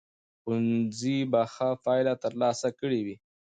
ښوونځي به ښه پایلې ترلاسه کړې وي.